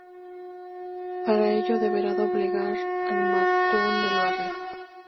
Para ello, deberá doblegar al matón del barrio.